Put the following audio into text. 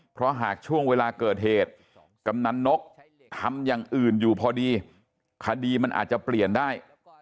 เพราะหากช่วงเวลาเกิดเหตุกำนันนกทำอย่างอื่นอยู่พอดีคดีมันอาจจะเปลี่ยนได้